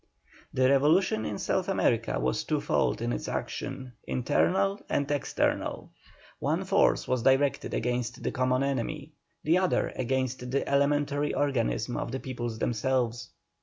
The revolution in South America was twofold in its action, internal and external. One force was directed against the common enemy, the other against the elementary organism of the peoples themselves.